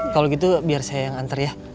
kalau gitu biar saya yang antar ya